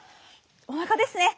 おなかですね！